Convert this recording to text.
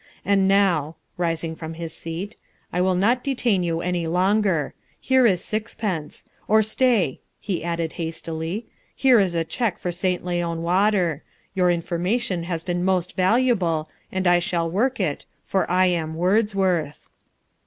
And now," rising from his seat, "I will not detain you any longer. Here is sixpence or stay," he added hastily, "here is a cheque for St. Leon water. Your information has been most valuable, and I shall work it, for all I am Wordsworth."